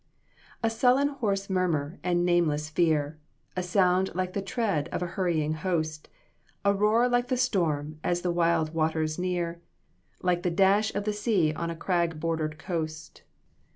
"A sullen hoarse murmur, and nameless fear! A sound like the tread of a hurrying host! A roar like the storm, as the wild waters near, Like the dash of the sea on a crag bordered coast!